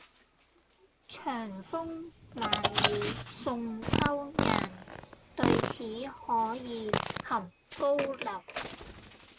長風萬里送秋雁，對此可以酣高樓